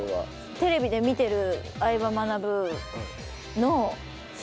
テレビで見てる『相葉マナブ』の。